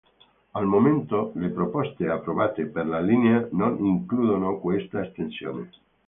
Al momento le proposte approvate per la linea non includono questa estensione.